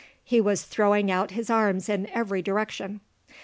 He was throwing out his arms in every direction.